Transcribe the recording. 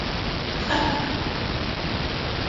Hahahaha!